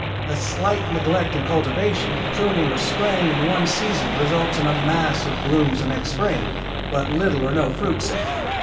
A slight neglect in cultivation, pruning or spraying in one season results in a mass of blooms the next spring, but little or no fruit set.